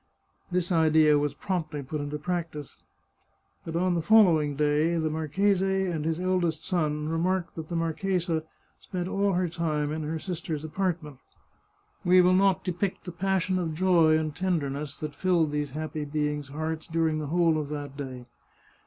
This idea was promptly put into practice. But on the following day the marchese and his eldest son remarked that the marchesa spent all her time in her sister in law's apart ment. We will not depict the passion of joy and tenderness that filled these happy beings' hearts during the whole of that day.